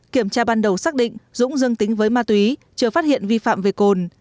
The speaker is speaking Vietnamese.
kiểm tra ban đầu xác định dũng dương tính với ma túy chưa phát hiện vi phạm về cồn